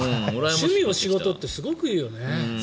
趣味が仕事ってすごくいいよね。